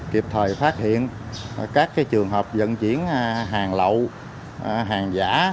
kịp thời phát hiện các trường hợp dẫn chuyển hàng lậu hàng giả